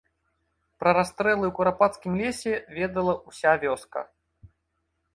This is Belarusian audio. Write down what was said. Пра расстрэлы ў курапацкім лесе ведала ўся вёска.